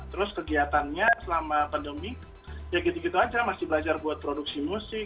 terus kegiatannya selama pandemi ya gitu gitu aja masih belajar buat produksi musik